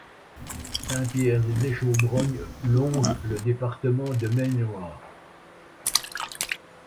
Saint-Pierre-des-Échaubrognes longe le département de Maine-et-Loire.